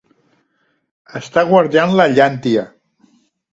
Estar guardant la llàntia.